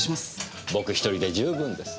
僕１人で十分です。